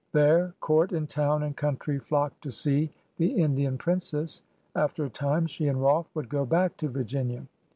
There court and town and country flocked to see the Indian '" princess/' After a time she and Rolfe would go back to Virginia.